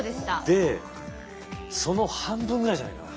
でその半分ぐらいじゃないかな。